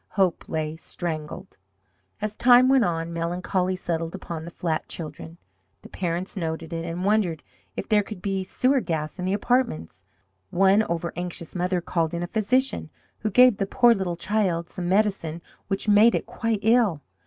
Hope lay strangled! As time went on, melancholy settled upon the flat children. The parents noted it, and wondered if there could be sewer gas in the apartments. One over anxious mother called in a physician, who gave the poor little child some medicine which made it quite ill.